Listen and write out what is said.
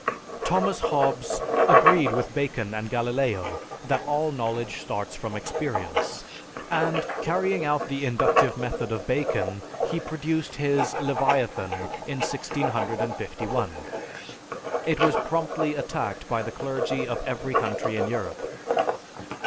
Thomas Hobbes agreed with Bacon and Galileo that all knowledge starts from experience, and, carrying out the inductive method of Bacon, he produced his "Leviathan" in 1651. It was promptly attacked by the clergy of every country in Europe.